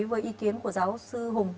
với ý kiến của giáo sư hùng